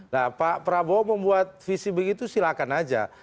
nah pak prabowo membuat visi begitu silahkan aja